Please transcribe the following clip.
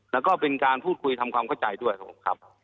แล้วก็เป็นการพูดคุยทำความเข้าใจด้วยครับผมครับ